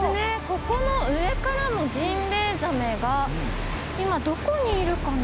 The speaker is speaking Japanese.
ここの上からのジンベエザメが今どこにいるかな？